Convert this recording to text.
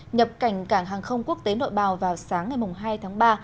nhập cảnh cảng hàng không quốc tế nội bào vào sáng ngày hai tháng ba